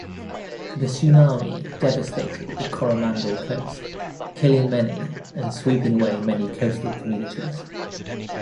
The tsunami devastated the Coromandel Coast, killing many and sweeping away many coastal communities.